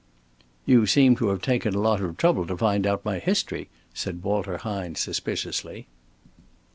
"You seem to have taken a lot of trouble to find out my history," said Walter Hine, suspiciously.